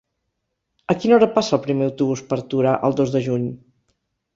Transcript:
A quina hora passa el primer autobús per Torà el dos de juny?